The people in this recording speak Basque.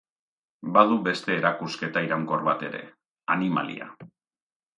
Badu beste erakusketa iraunkor bat ere: Animalia.